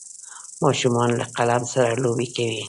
ماشومان له قلم سره لوبې کوي.